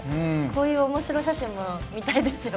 こういうおもしろ写真も見たいですよね。